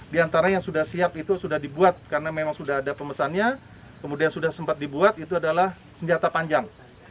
di antara yang sudah siap itu sudah dibuat karena memang sudah ada pemesannya kemudian sudah sempat dibuat itu adalah senjata panjang